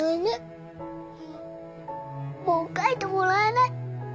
うんもう書いてもらえない。